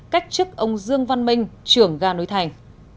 cách chức ông dương văn minh trưởng ga núi thành